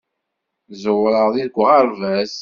Ẓewreɣ deg uɣerbaz.